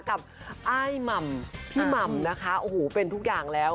กับอ้ายหม่ำพี่หม่ำนะคะโอ้โหเป็นทุกอย่างแล้ว